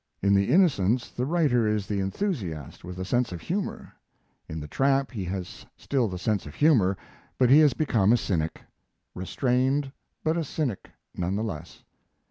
In the 'Innocents' the writer is the enthusiast with a sense of humor. In the 'Tramp' he has still the sense of humor, but he has become a cynic; restrained, but a cynic none the less.